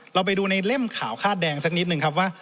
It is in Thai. เราไปดูในเล่มขาวคาดแดงสักนิดนึงครับว่า